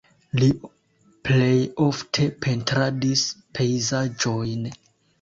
Li plej ofte pentradis pejzaĝojn.